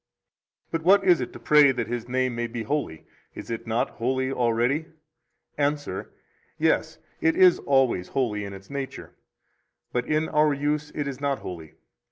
37 But what is it to pray that His name may be holy? Is it not holy already? Answer: Yes, it is always holy in its nature, but in our use it is not holy.